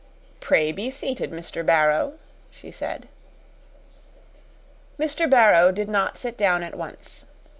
"Pray, be seated, Mr. Barrow," she said. Mr. Barrow did not sit down at once.